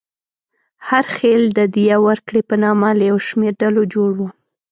هر خېل د دیه ورکړې په نامه له یو شمېر ډلو جوړ و.